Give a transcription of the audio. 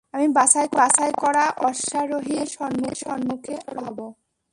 আমি বাছাই করা অশ্বারোহী নিয়ে সম্মুখে অগ্রসর হব।